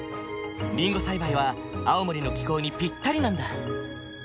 りんご栽培は青森の気候にぴったりなんだ。